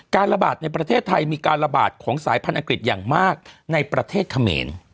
ระบาดในประเทศไทยมีการระบาดของสายพันธุ์อังกฤษอย่างมากในประเทศเขมร